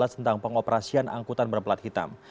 tentang pengoperasian angkutan berplat hitam